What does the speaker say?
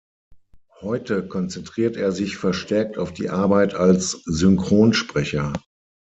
Heute konzentriert er sich verstärkt auf die Arbeit als Synchronsprecher.